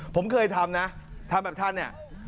ผมเคยทำนะทำแบบท่าน